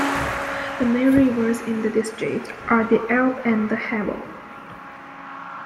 The main rivers in the district are the Elbe and the Havel.